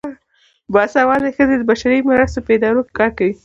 باسواده ښځې د بشري مرستو په ادارو کې کار کوي.